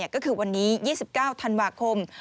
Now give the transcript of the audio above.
ก็คือวันนี้๒๙ธันวาคม